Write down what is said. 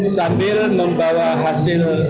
sambil membawa hasil